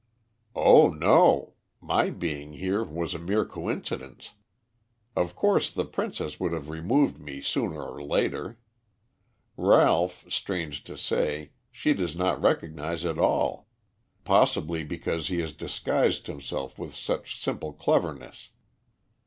"Oh, no. My being here was a mere coincidence. Of course, the princess would have removed me sooner or later. Ralph, strange to say, she does not recognize at all, possibly because he has disguised himself with such simple cleverness.